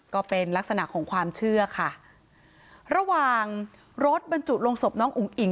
ก็เป็นลักษณะของความเชื่อค่ะระหว่างรถบรรจุลงศพน้องอุ๋งอิ๋ง